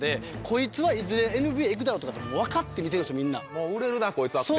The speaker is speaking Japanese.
「もう売れるなこいつは」って。